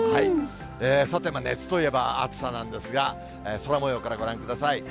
さて、夏といえば、暑さなんですが、空もようからご覧ください。